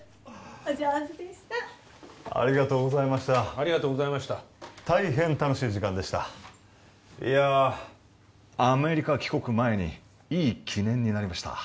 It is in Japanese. お上手でしたありがとうございましたありがとうございました大変楽しい時間でしたいやアメリカ帰国前にいい記念になりました